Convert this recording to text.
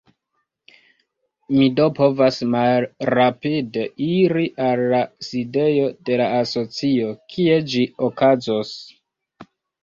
Mi do povas malrapide iri al la sidejo de la asocio, kie ĝi okazos.